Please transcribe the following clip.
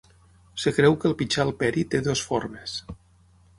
Es creu que el Pichal Peri té dues formes.